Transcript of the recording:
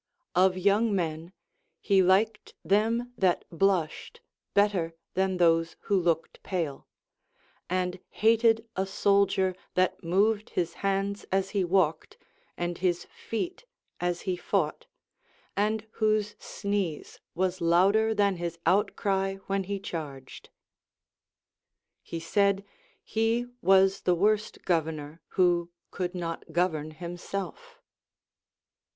Of young men, he liked them that blushed better than those who looked pale ; and hated a soldier that moved his hands as he walked and his feet as he fought, and whose sneeze was louder than his outcry when he charged. He said, he was the worst governor who could not govern himself.